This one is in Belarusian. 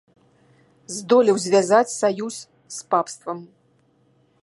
Здолеў звязаць саюз з папствам.